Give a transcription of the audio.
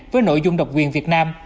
với nội dung độc quyền việt nam